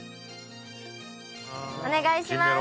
お願いします。